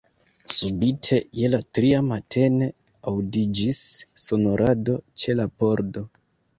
Subite, je la tria matene, audiĝis sonorado ĉe la pordo.